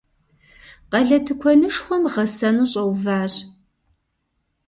Къалэ тыкуэнышхуэм гъэсэну щӏэуващ.